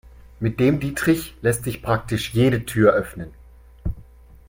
Mit dem Dietrich lässt sich praktisch jede Tür öffnen.